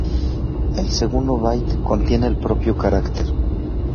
El segundo byte contiene al propio carácter.